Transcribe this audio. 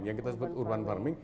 yang kita sebut urban farming